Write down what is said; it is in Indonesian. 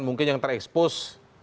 mungkin yang terekspos